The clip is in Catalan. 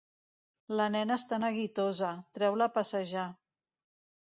La nena està neguitosa: treu-la a passejar.